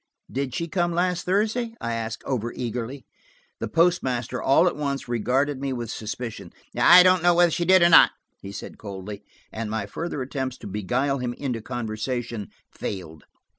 "Did she come last Thursday?" I asked overeagerly. The postmaster, all at once, regarded me with suspicion. "I don't know whether she did or not," he said coldly, and my further attempts to beguile him into conversation failed.